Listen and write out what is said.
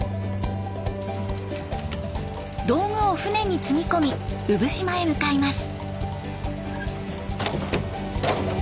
道具を船に積み込み産島へ向かいます。